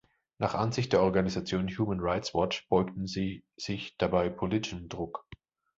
Nach Ansicht der Organisation Human Rights Watch beugten sie sich dabei politischem Druck.